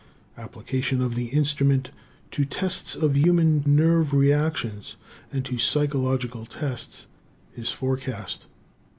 Application of the instrument to tests of human nerve reactions and to psychological tests is forecast.